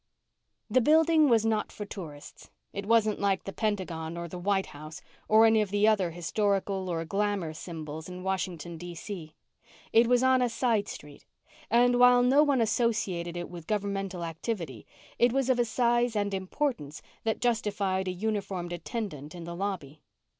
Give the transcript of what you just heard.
The building was not for tourists. It wasn't like the Pentagon or the White House or any of the other historical or glamour symbols in Washington, D.C. It was on a side street, and while no one associated it with governmental activity, it was of a size and importance that justified a uniformed attendant in the lobby.